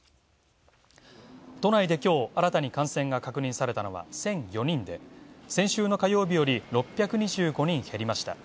都内で今日、新たに感染が確認されたのは１００４人で、先週の火曜日より６２５人減りました。